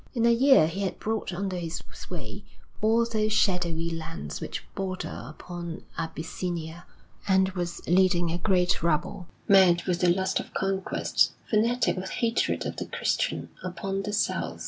In a year he had brought under his sway all those shadowy lands which border upon Abyssinia, and was leading a great rabble, mad with the lust of conquest, fanatic with hatred of the Christian, upon the South.